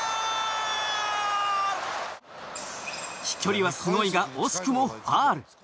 飛距離はすごいが惜しくもファウル。